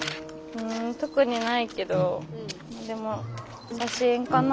ん特にないけどでも写真かな？